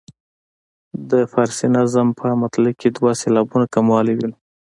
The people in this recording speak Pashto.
د فارسي نظم په مطلع کې دوه سېلابونه کموالی وینو.